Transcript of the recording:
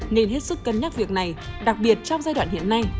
nên hết sức cân nhắc việc này đặc biệt trong giai đoạn hiện nay